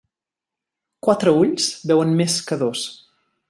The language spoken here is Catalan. Quatre ulls veuen més que dos.